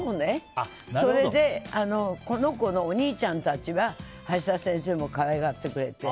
それでこの子のお兄ちゃんたちは橋田先生も可愛がってくれて。